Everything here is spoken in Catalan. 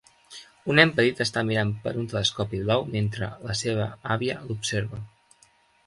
Un nen petit està mirant per un telescopi blau mentre la seva àvia l'observa.